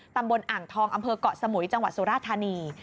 ตำบลอ่างทองอำเภอกเกาะสมุยจังหวัดสุราธานี